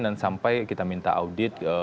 dan sampai kita minta audit